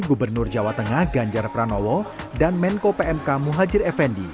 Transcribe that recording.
gubernur jawa tengah ganjar pranowo dan menko pmk muhajir effendi